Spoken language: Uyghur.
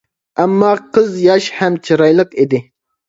ئەمما قىز ياش ھەم چىرايلىق ئىدى.